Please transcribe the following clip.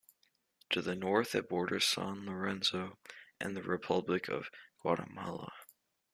To the north it borders San Lorenzo and the Republic of Guatemala.